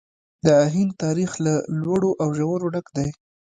د هند تاریخ له لوړو او ژورو ډک دی.